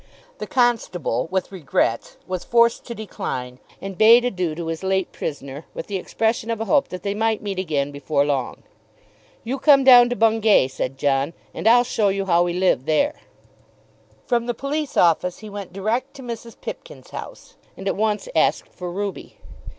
The constable, with regrets, was forced to decline, and bade adieu to his late prisoner with the expression of a hope that they might meet again before long. "You come down to Bungay," said John, "and I'll show you how we live there." From the police office he went direct to Mrs. Pipkin's house, and at once asked for Ruby.